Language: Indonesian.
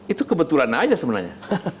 itu kebetulan saja sebenarnya